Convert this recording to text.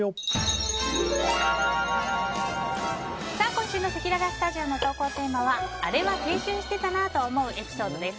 今週のせきららスタジオの投稿テーマはあれは青春してたなぁと思うエピソードです。